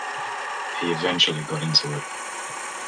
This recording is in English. He eventually got into it.